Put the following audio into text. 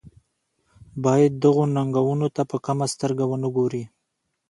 باید دغو ننګونو ته په کمه سترګه ونه ګوري.